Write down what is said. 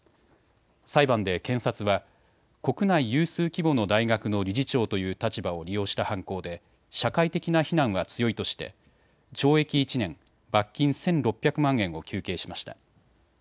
裁判で検察は国内有数規模の大学の理事長という立場を利用した犯行で社会的な非難は強いとして懲役１年、罰金１６００万円を求刑しました。